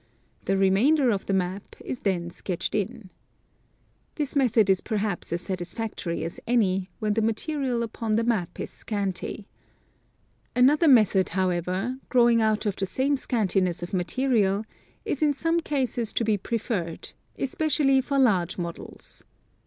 The remainder of the map is then sketched in. This method is perhaps as satisfactory as any, when the material upon the map is scanty. Another method, however, growing out of the same scantiness of material, is in some cases to be preferred, especially for large models.